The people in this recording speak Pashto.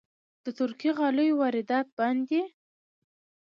د ترکي غالیو واردات بند دي؟